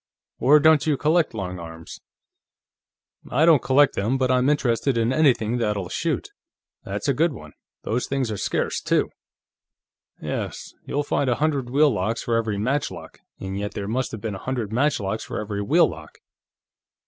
"Or don't you collect long arms?" "I don't collect them, but I'm interested in anything that'll shoot. That's a good one. Those things are scarce, too." "Yes. You'll find a hundred wheel locks for every matchlock, and yet there must have been a hundred matchlocks made for every wheel lock."